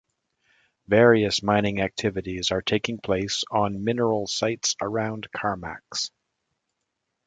Various mining activities are taking place on mineral sites around Carmacks.